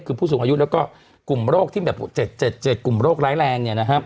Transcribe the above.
คือผู้สูงอายุแล้วก็กลุ่มโรคที่แบบ๗๗กลุ่มโรคร้ายแรง